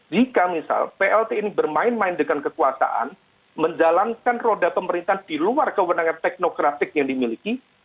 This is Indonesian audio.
jika misal plt ini bermain main dengan kekuasaan menjalankan roda pemerintahan di luar kewenangan teknokratik yang dimiliki